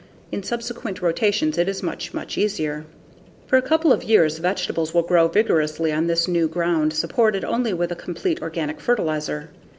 In subsequent rotations it is much much easier. For a couple of years, vegetables will grow vigorously on this new ground supported only with a complete organic fertilizer.